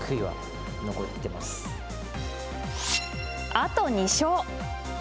あと２勝！